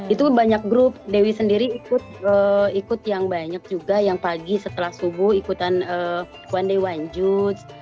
itu banyak grup dewi sendiri ikut yang banyak juga yang pagi setelah subuh ikutan one day one juts